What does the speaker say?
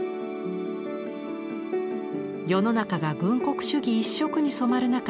世の中が軍国主義一色に染まる中